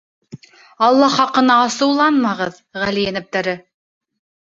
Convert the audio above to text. — Алла хаҡына асыуланмағыҙ, ғали йәнәптәре.